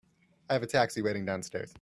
I have a taxi waiting downstairs.